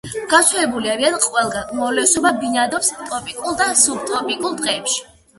გავრცელებული არიან ყველგან, უმრავლესობა ბინადრობს ტროპიკულ და სუბტროპიკულ ტყეებში.